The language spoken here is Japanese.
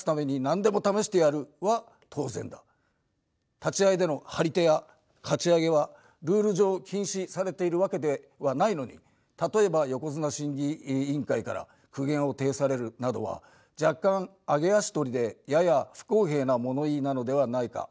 立ち合いでの「張り手」や「かちあげ」はルール上禁止されているわけではないのに例えば横綱審議委員会から苦言を呈されるなどは若干揚げ足取りでやや不公平な物言いなのではないか？